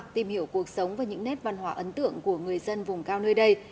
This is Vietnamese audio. tìm hiểu cuộc sống và những nét văn hóa ấn tượng của người dân vùng cao nơi đây